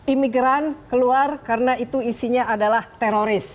imigran keluar karena itu isinya adalah teroris